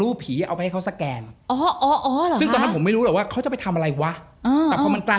วัดเสี่ยวอะ